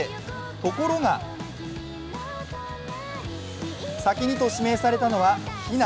ところが先にと指名されたのは、ひな。